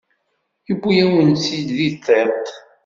Yewwi-yawen-tt-id di tiṭ.